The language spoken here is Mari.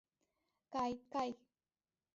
Кай, кай!